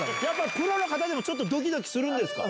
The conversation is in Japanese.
プロの方でもちょっとドキドキするんですか？